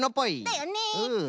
だよね。